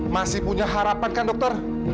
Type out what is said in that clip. masih punya harapan kan dokter